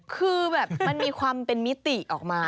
คือแบบมันมีความเป็นมิติออกมา